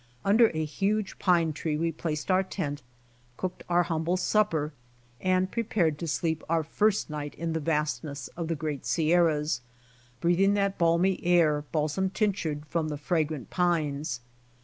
Under a huge pine tree we placed our tent, cooked our humble supper, and prepared to sleep our first night in the vastness of the great Sierras, breathing that balmy air balsam tinctured from the fragrant pines.